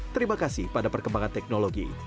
terima kasih pada perkembangan teknologi